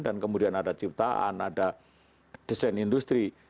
dan kemudian ada ciptaan ada desain industri